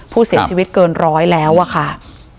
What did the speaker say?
ผู้เสียชีวิตเกิน๑๐๐แล้วค่ะ